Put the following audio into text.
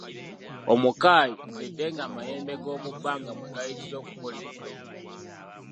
Omukaayi z’endege amayembe g’omubbanga mwe gayitira okukola ejjoogo.